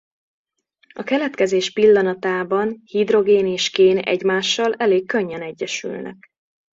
A keletkezés pillanatában hidrogén és kén egymással elég könnyen egyesülnek.